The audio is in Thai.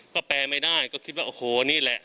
ก็แปลไม่ได้ก็คิดว่าโอ้โหนี่แหละ